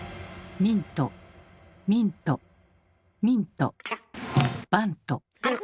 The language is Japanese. ミントミントミントバント。